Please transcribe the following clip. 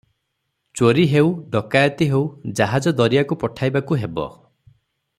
ଚୋରି ହେଉ, ଡକାଏତି ହେଉ, ଜାହାଜ ଦରିଆକୁ ପଠାଇବାକୁ ହେବ ।